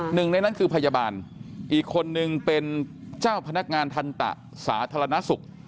หนึ่งในนั้นคือพยาบาลอีกคนนึงเป็นเจ้าพนักงานทันตะสาธารณสุข